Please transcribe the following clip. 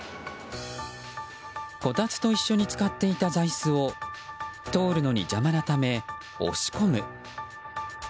こたつと一緒に使っていた座椅子を通るのに邪魔なため押し込む。